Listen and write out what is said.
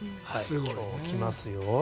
今日も来ますよ。